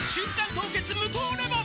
凍結無糖レモン」